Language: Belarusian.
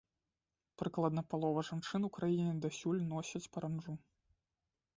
Прыкладна палова жанчын у краіне дасюль носяць паранджу.